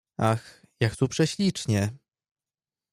"Ach, jak tu prześlicznie!"